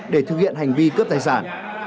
để thực hiện hành vi cướp tài sản